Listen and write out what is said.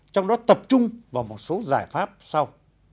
trong đó tập trung vào một số giải pháp sau